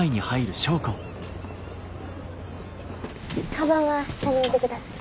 かばんは下に置いてください。